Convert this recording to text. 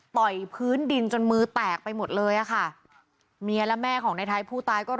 ยพื้นดินจนมือแตกไปหมดเลยอะค่ะเมียและแม่ของในไทยผู้ตายก็